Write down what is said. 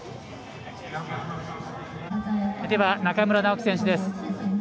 では、中村直幹選手です。